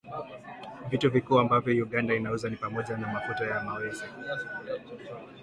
Vitu vikuu ambavyo Uganda inauza ni pamoja na mafuta ya mawese